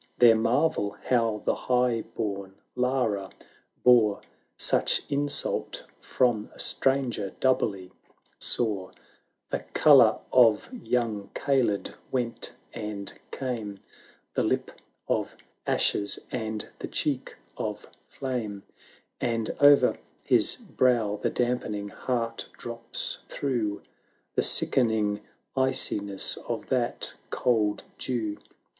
Their marvel how the high born Lara bore Such insult from a stranger, doubly sore. The colour of young Kaled went and came — The lip of ashes, and the cheek of tlame; And o'er his brow the dampening heart drops threw 000 The sickening iciness of that cold dew.